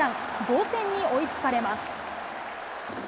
同点に追いつかれます。